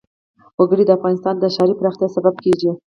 وګړي د افغانستان د ښاري پراختیا سبب کېږي.